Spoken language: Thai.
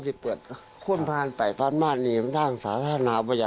คือเรื่องนี้แค่นั้นก็คือว่าปิดไฟเพราะกลัวว่าชาวบ้านจะมาเห็นว่าพระ